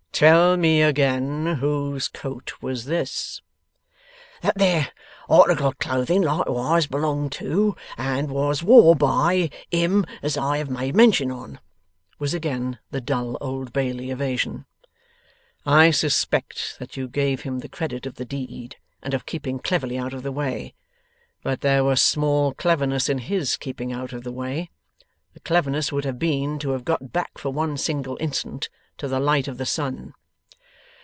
'Tell me again whose coat was this?' 'That there article of clothing likeways belonged to, and was wore by him as I have made mention on,' was again the dull Old Bailey evasion. 'I suspect that you gave him the credit of the deed, and of keeping cleverly out of the way. But there was small cleverness in HIS keeping out of the way. The cleverness would have been, to have got back for one single instant to the light of the sun.